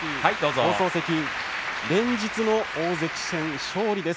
連日の大関戦勝利です。